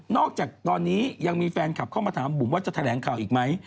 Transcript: จากตอนนี้ยังมีแฟนคลับเข้ามาถามบุ๋มว่าจะแถลงข่าวอีกไหม